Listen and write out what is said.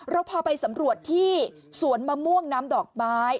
เราพาไปสำรวจที่สวนมะม่วงน้ำดอกไม้